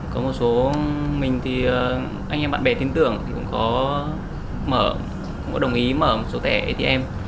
có một số mình thì anh em bạn bè tin tưởng cũng có mở cũng có đồng ý mở một số thẻ atm